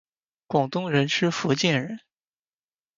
广东人吃福建人！